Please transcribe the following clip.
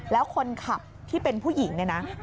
แล้วคนขับที่เป็นผู้หญิง